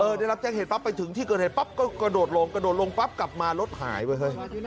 ได้รับแจ้งเหตุปั๊บไปถึงที่เกิดเหตุปั๊บก็กระโดดลงกระโดดลงปั๊บกลับมารถหายไปเฮ้ย